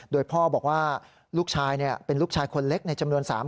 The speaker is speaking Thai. โดยพ่อบอกว่าลูกชายเป็นลูกชายคนเล็กในจำนวน๓คน